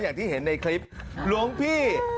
อย่างที่เห็นในคลิปหลวงพี่